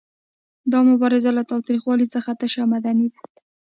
دا مبارزه له تاوتریخوالي څخه تشه او مدني ده.